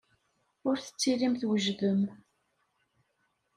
Ur tettilim twejdem.